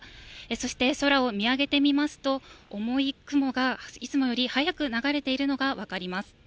そして空を見上げてみますと、重い雲がいつもより速く流れているのが分かります。